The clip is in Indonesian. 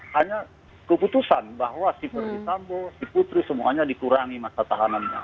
hanya keputusan bahwa si perdisambo si putri semuanya dikurangi masa tahanannya